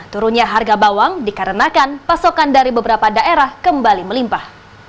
turunnya harga bawang dikarenakan pasokan dari beberapa daerah kembali melimpah